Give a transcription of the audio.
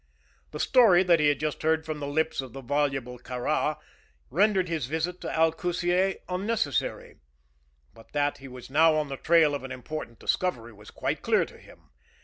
The story that he had just heard from the lips of the voluble Kāra rendered his visit to Al Kusiyeh unnecessary; but that he was now on the trail of an important discovery was quite clear to him.